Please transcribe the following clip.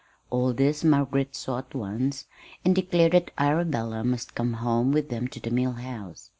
All this Margaret saw at once and declared that Arabella must come home with them to the Mill House.